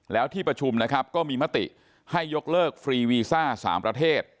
แล้วที่ประชุมนะครับก็มีมติให้ยกเลิกฟรีวีซ่า๓ประเทศ